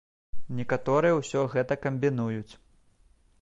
Некаторыя ўсё гэта камбінуюць.